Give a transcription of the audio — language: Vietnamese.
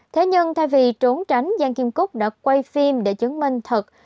thế nhưng thay vì trốn tránh giang kim cúc đã quay phim để chứng minh thật